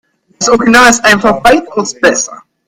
Das Original ist einfach weitaus besser.